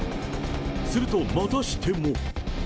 すると、またしても。